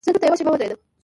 زه دلته یوه شېبه ودرېدم.